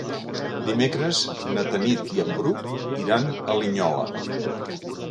Dimecres na Tanit i en Bru iran a Linyola.